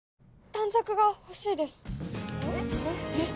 短冊が欲しいですへっ？